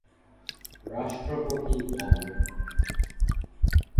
রাষ্ট্রপতি ভবন